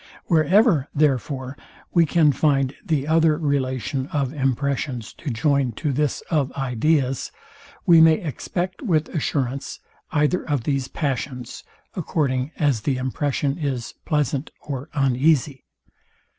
Wherever, therefore, we can find the other relation of impressions to join to this of ideas, we may expect with assurance either of these passions, according as the impression is pleasant or uneasy.